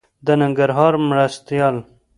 د ننګرهار مرستيال